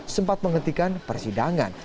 sempat menghentikan persidangan